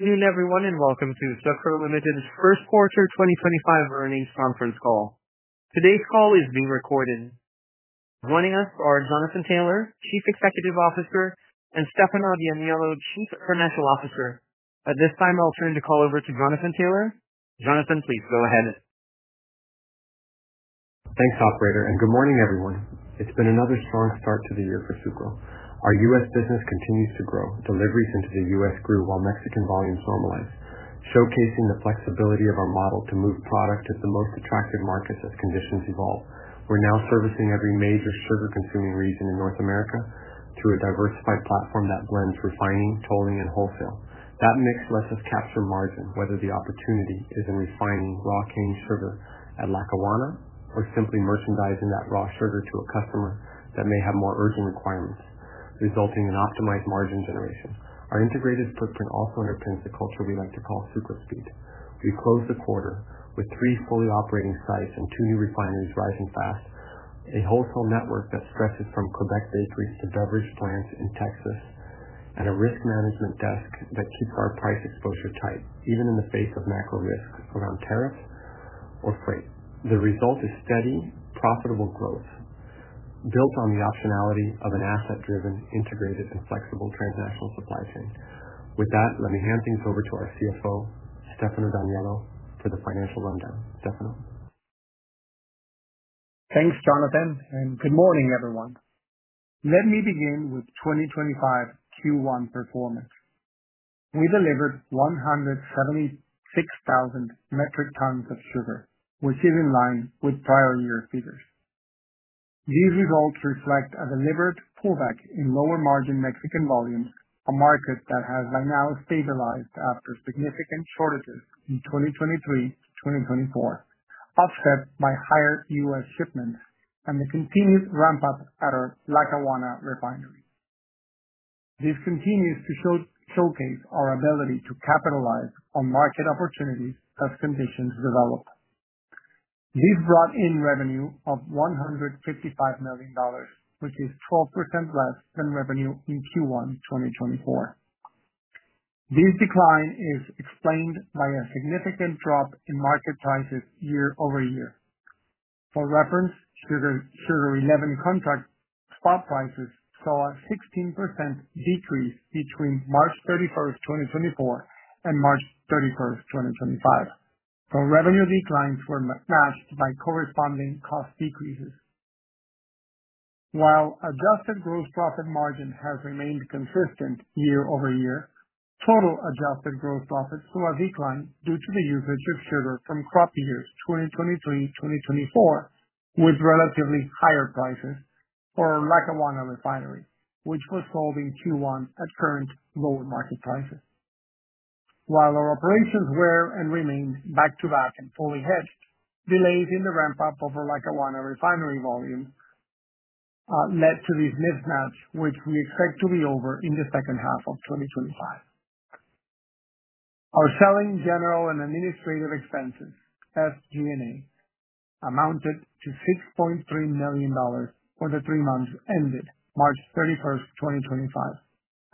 Good evening, everyone, and welcome to Sucro Limited's first quarter 2025 earnings conference call. Today's call is being recorded. Joining us are Jonathan Taylor, Chief Executive Officer, and Stefano D'Aniello, Chief Financial Officer. At this time, I'll turn the call over to Jonathan Taylor. Jonathan, please go ahead. Thanks, Operator, and good morning, everyone. It's been another strong start to the year for Sucro. Our U.S. business continues to grow; deliveries into the U.S. grew while Mexican volumes normalized, showcasing the flexibility of our model to move product to the most attractive markets as conditions evolve. We're now servicing every major sugar-consuming region in North America through a diversified platform that blends refining, tolling, and wholesale. That mix lets us capture margin, whether the opportunity is in refining raw cane sugar at Lackawanna or simply merchandising that raw sugar to a customer that may have more urgent requirements, resulting in optimized margin generation. Our integrated footprint also underpins the culture we like to call SucroSpeed. We've closed the quarter with three fully operating sites and two new refineries rising fast, a wholesale network that stretches from Quebec bakeries to beverage plants in Texas, and a risk management desk that keeps our price exposure tight, even in the face of macro risks around tariffs or freight. The result is steady, profitable growth built on the optionality of an asset-driven, integrated, and flexible transnational supply chain. With that, let me hand things over to our CFO, Stefano D'Aniello, for the financial rundown. Stefano. Thanks, Jonathan, and good morning, everyone. Let me begin with 2025 Q1 performance. We delivered 176,000 metric tons of sugar, which is in line with prior year figures. These results reflect a deliberate pullback in lower-margin Mexican volumes, a market that has by now stabilized after significant shortages in 2023-2024, offset by higher U.S. shipments and the continued ramp-up at our Lackawanna refinery. This continues to showcase our ability to capitalize on market opportunities as conditions develop. This brought in revenue of $155 million, which is 12% less than revenue in Q1 2024. This decline is explained by a significant drop in market prices year-over-year. For reference, Sugar 11 contract spot prices saw a 16% decrease between March 31st, 2024, and March 31st, 2025. The revenue declines were matched by corresponding cost decreases. While adjusted gross profit margin has remained consistent year-over-year, total adjusted gross profit saw a decline due to the usage of sugar from crop years 2023-2024 with relatively higher prices for our Lackawanna refinery, which was sold in Q1 at current lower market prices. While our operations were and remained back-to-back and fully hedged, delays in the ramp-up of our Lackawanna refinery volume led to this mismatch, which we expect to be over in the second half of 2025. Our selling, general, and administrative expenses, SG&A, amounted to $6.3 million for the three months ended March 31st, 2025,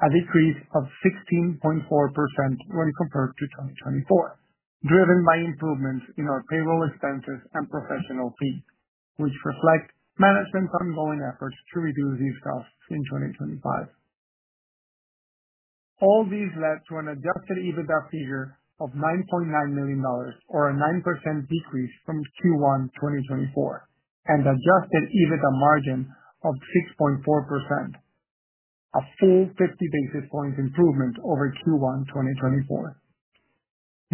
a decrease of 16.4% when compared to 2024, driven by improvements in our payroll expenses and professional fees, which reflect management's ongoing efforts to reduce these costs in 2025. All these led to an adjusted EBITDA figure of $9.9 million, or a 9% decrease from Q1 2024, and adjusted EBITDA margin of 6.4%, a full 50 basis points improvement over Q1 2024.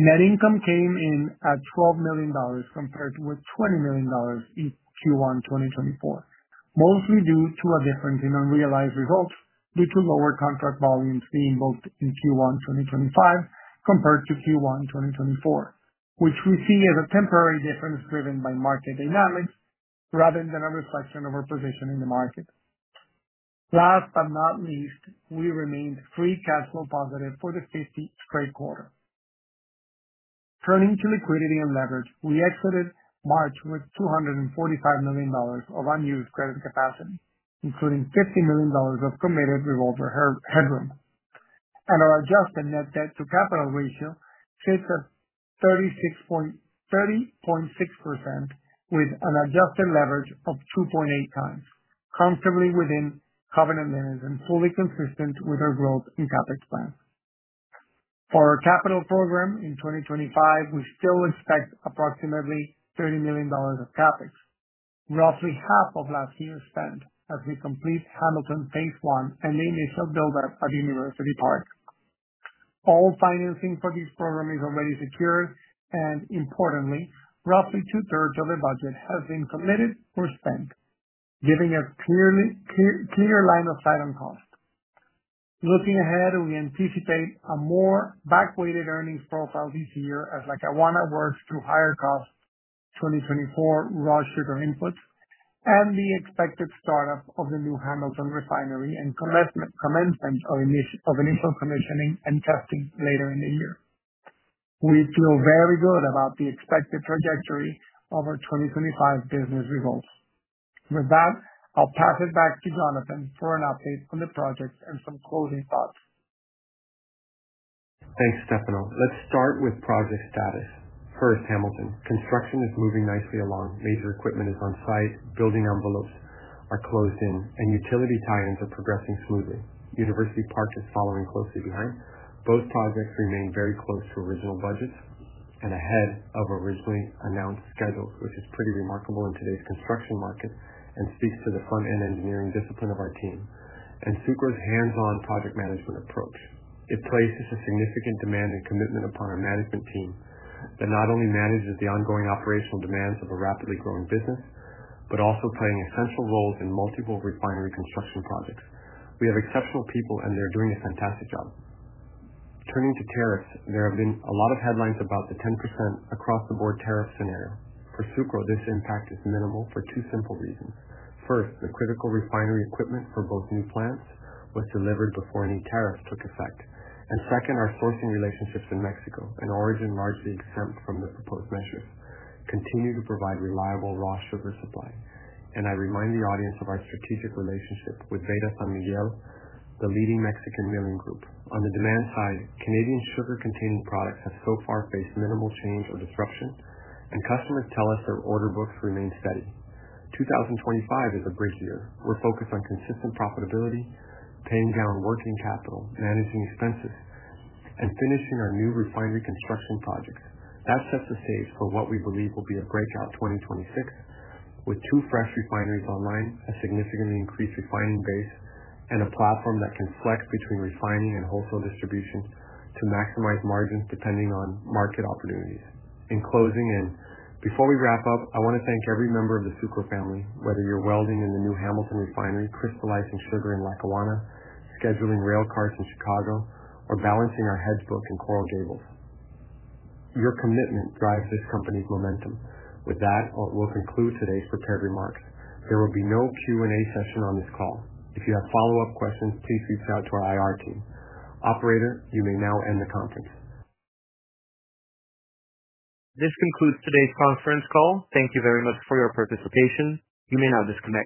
Net income came in at $12 million compared with $20 million in Q1 2024, mostly due to a difference in unrealized results due to lower contract volumes being booked in Q1 2025 compared to Q1 2024, which we see as a temporary difference driven by market dynamics rather than a reflection of our position in the market. Last but not least, we remained free cash flow positive for the fifth straight quarter. Turning to liquidity and leverage, we exited March with $245 million of unused credit capacity, including $50 million of committed revolver headroom. Our adjusted net debt to capital ratio sits at 36.6%, with an adjusted leverage of 2.8 x, comfortably within covenant limits and fully consistent with our growth and CapEx plans. For our capital program in 2025, we still expect approximately $30 million of CapEx, roughly half of last year's spend, as we complete Hamilton phase one and the initial build-up at University Park. All financing for this program is already secured, and importantly, roughly two-thirds of the budget has been committed or spent, giving a clear line of sight on cost. Looking ahead, we anticipate a more back-weighted earnings profile this year as Lackawanna works through higher-cost 2024 raw sugar inputs and the expected startup of the new Hamilton refinery and commencement of initial commissioning and testing later in the year. We feel very good about the expected trajectory of our 2025 business results. With that, I'll pass it back to Jonathan for an update on the project and some closing thoughts. Thanks, Stefano. Let's start with project status. First, Hamilton. Construction is moving nicely along. Major equipment is on site. Building envelopes are closed in, and utility tie-ins are progressing smoothly. University Park is following closely behind. Both projects remain very close to original budgets and ahead of originally announced schedules, which is pretty remarkable in today's construction market and speaks to the front-end engineering discipline of our team and Sucro's hands-on project management approach. It places a significant demand and commitment upon our management team that not only manages the ongoing operational demands of a rapidly growing business but also plays essential roles in multiple refinery construction projects. We have exceptional people, and they're doing a fantastic job. Turning to tariffs, there have been a lot of headlines about the 10% across-the-board tariff scenario. For Sucro, this impact is minimal for two simple reasons. First, the critical refinery equipment for both new plants was delivered before any tariffs took effect. Second, our sourcing relationships in Mexico, an origin largely exempt from the proposed measures, continue to provide reliable raw sugar supply. I remind the audience of our strategic relationship with Veda San Miguel, the leading Mexican milling group. On the demand side, Canadian sugar-containing products have so far faced minimal change or disruption, and customers tell us their order books remain steady. 2025 is a bridge year. We're focused on consistent profitability, paying down working capital, managing expenses, and finishing our new refinery construction projects. That sets the stage for what we believe will be a breakout 2026, with two fresh refineries online, a significantly increased refining base, and a platform that can flex between refining and wholesale distribution to maximize margins depending on market opportunities. In closing, and before we wrap up, I want to thank every member of the Sucro family, whether you're welding in the new Hamilton refinery, crystallizing sugar in Lackawanna, scheduling railcars in Chicago, or balancing our hedge book in Coral Gables. Your commitment drives this company's momentum. With that, we'll conclude today's prepared remarks. There will be no Q&A session on this call. If you have follow-up questions, please reach out to our IR team. Operator, you may now end the conference. This concludes today's conference call. Thank you very much for your participation. You may now disconnect.